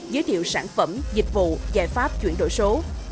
giới thiệu sản phẩm dịch vụ giải pháp chuyển đổi số